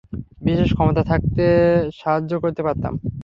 বিশেষ ক্ষমতা থাকলে সাহায্য করতে পারতাম।